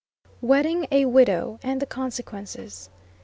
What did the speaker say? WEDDING A WIDOW, AND THE CONSEQUENCES.